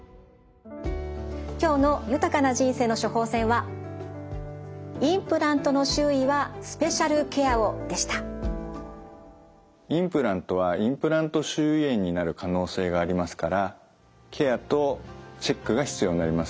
今日の「豊かな人生の処方せん」はインプラントはインプラント周囲炎になる可能性がありますからケアとチェックが必要になります。